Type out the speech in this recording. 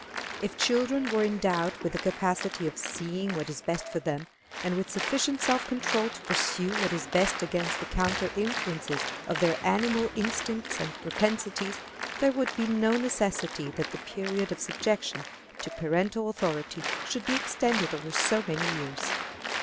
If children were endowed with the capacity of seeing what is best for them, and with sufficient self control to pursue what is best against the counter influences of their animal instincts and propensities, there would be no necessity that the period of subjection to parental authority should be extended over so many years.